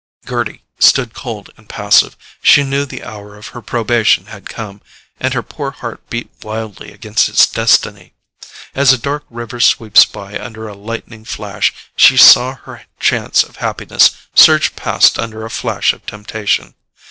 Gerty stood cold and passive. She knew the hour of her probation had come, and her poor heart beat wildly against its destiny. As a dark river sweeps by under a lightning flash, she saw her chance of happiness surge past under a flash of temptation.